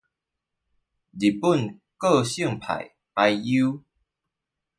日本個性派俳優